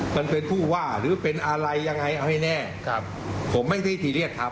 มันเป็นผู้ว่าหรือเป็นอะไรยังไงเอาให้แน่ครับผมไม่ได้ซีเรียสครับ